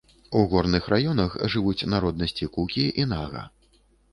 У горных раёнах жывуць народнасці кукі і нага.